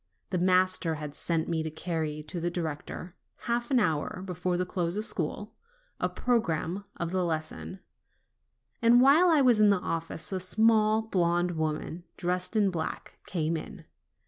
The master had sent me to carry to the director, half an hour before the close of school, a programme of the lesson, and while I was in the office, a small, blonde woman dressed in black came in.